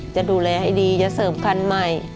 จะดูแลให้ดีจะเสริมคันใหม่